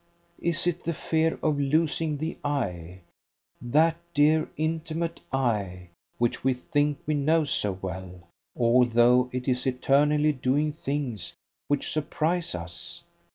Is it the fear of losing the I, that dear, intimate I, which we think we know so well, although it is eternally doing things which surprise us?